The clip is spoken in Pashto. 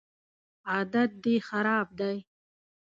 عادت دي خراب دی